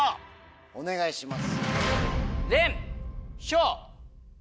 お願いします。